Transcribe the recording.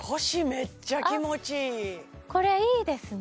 めっちゃ気持ちいいこれいいですね